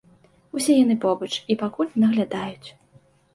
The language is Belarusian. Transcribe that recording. Усе яны побач і пакуль наглядаюць.